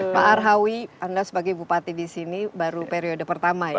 pak arhawi anda sebagai bupati di sini baru periode pertama ya